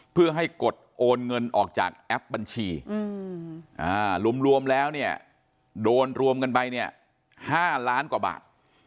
เพื่อให้กดโอนเงินออกจากแอปบัญชีรวมแล้วเนี่ยโดนรวมกันไปเนี่ย๕ล้านกว่าบาท